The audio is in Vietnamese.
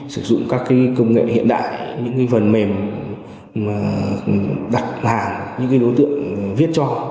sử dụng các công nghệ hiện đại những phần mềm đặt hàng những đối tượng viết cho